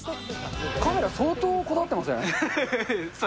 カメラ相当こだわってません？